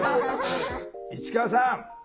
市川さん